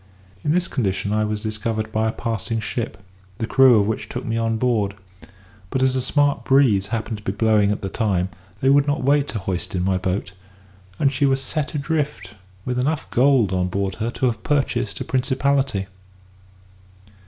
In this condition I was discovered by a passing ship, the crew of which took me on board; but, as a smart breeze happened to be blowing at the time, they would not wait to hoist in my boat; and she was set adrift with enough gold on board her to have purchased a principality.